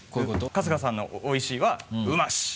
春日さんの「おいしい」は「うまし」